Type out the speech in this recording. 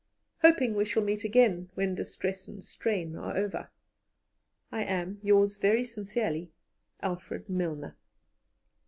"Hoping we shall meet again when 'distress and strain are over,' "I am, "Yours very sincerely, "ALFRED MILNER."